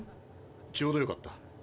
ちょうどよかった。